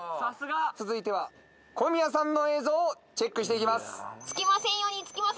続いては小宮さんの映像をチェックしていきます。